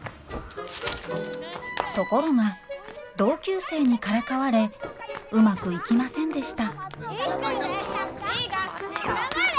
ところが同級生にからかわれうまくいきませんでした黙れ！